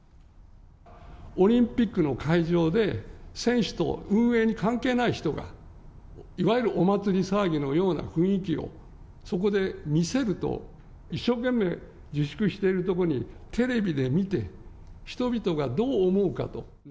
オリンピックの会場で選手と運営に関係ない人が、いわゆるお祭り騒ぎのような雰囲気をそこで見せると、一生懸命自粛しているところにテレビで見て、人々がどう思うかと。